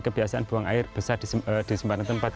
kebiasaan buang air besar di sempatan tempat